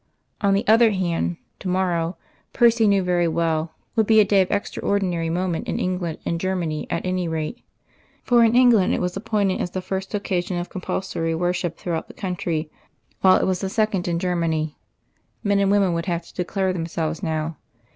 On the other hand, to morrow, Percy knew very well, would be a day of extraordinary moment in England and Germany at any rate; for in England it was appointed as the first occasion of compulsory worship throughout the country, while it was the second in Germany. Men and women would have to declare themselves now.